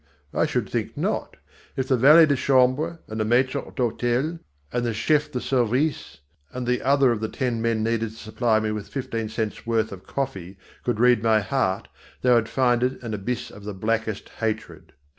I should think not. If the valet de chambre and the maître d'hôtel and the chef de service and the others of the ten men needed to supply me with fifteen cents worth of coffee, could read my heart, they would find it an abyss of the blackest hatred.